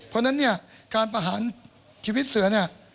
เพราะฉะนั้นการประหารชีวิตเสือ